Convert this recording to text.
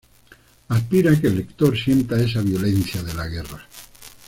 Aspira a que el lector sienta esa violencia de la guerra.